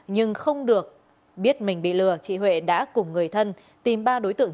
nhưng không được biết mình bị lừa chị huệ đã cùng người thân tìm ba đối tượng